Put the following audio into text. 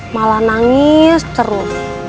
malah nangis terus